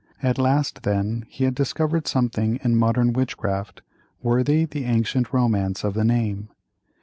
At last, then, he had discovered something in modern witchcraft worthy the ancient romance of the name.